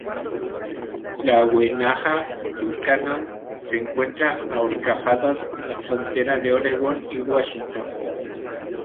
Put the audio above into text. La Wenaha-Tucannon se encuentra a horcajadas en la frontera de Oregón y Washington.